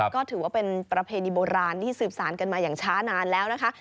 ก็ถือว่าเป็นประเพณีโบราณที่สืบสารกันมาอย่างช้านานแล้วนะคะ